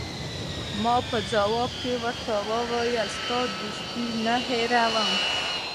ما په ځواب کې ورته وویل: نه، ستا دوستي نه هیروم.